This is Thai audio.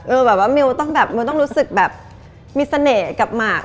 เออแบบว่ามิวต้องรู้สึกแบบมีเสน่ห์กับหมาก